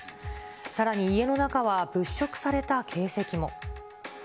さらに家の中は物色された形跡も。